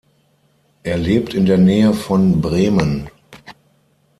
Er lebt in der Nähe von Bremen.